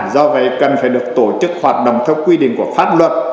do vậy cần phải được tổ chức hoạt động theo quy định của pháp luật